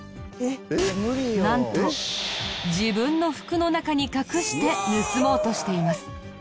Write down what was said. なんと自分の服の中に隠して盗もうとしています。